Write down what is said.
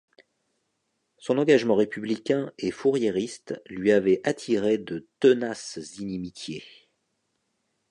Son engagement républicain et fouriériste lui avait attiré de tenaces inimitiés.